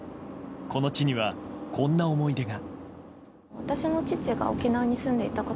この地にはこんな思い出が。